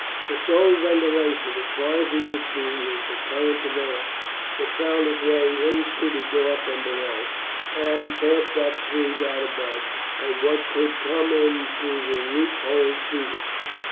The sole ventilation, as far as he could see, was the current of air that found its way in through the door from below, and passed up through that above, and what could come in through the loop hole seawards.